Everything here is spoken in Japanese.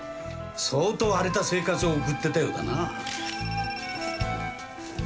相当荒れた生活を送ってたようだな。